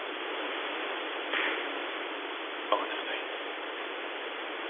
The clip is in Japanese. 任せなさい。